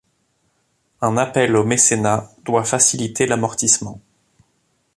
Un appel au mécénat doit faciliter l'amortissement.